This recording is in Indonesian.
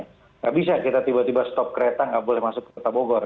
tidak bisa kita tiba tiba stop kereta nggak boleh masuk ke kota bogor